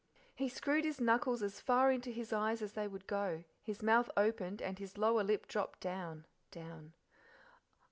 He screwed his knuckles as far into his eyes as they would go, his mouth opened, and his lower lip dropped down, down.